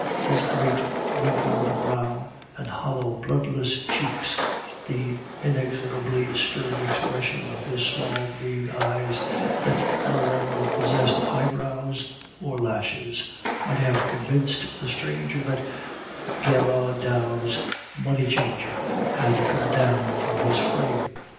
His great wrinkled brow and hollow bloodless cheeks, the inexorably stern expression of his small green eyes that no longer possessed eyebrows or lashes, might have convinced the stranger that Gerard Dow's "Money Changer" had come down from his frame.